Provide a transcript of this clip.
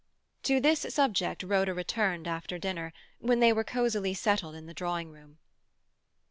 To this subject Rhoda returned after dinner, when they were cosily settled in the drawing room.